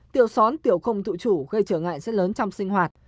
tiểu xón tiểu không dự trù gây trở ngại rất lớn trong sinh hoạt